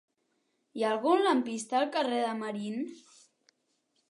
Hi ha algun lampista al carrer de Marín?